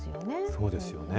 そうですよね。